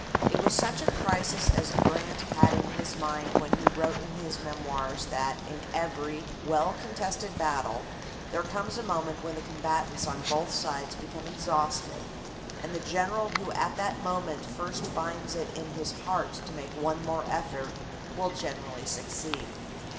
It was such a crisis as Grant had in his mind when he wrote in his memoirs that in every well contested battle there comes a moment when the combatants on both sides become exhausted, and the general who at that moment first finds it in his heart to make one more effort will generally succeed.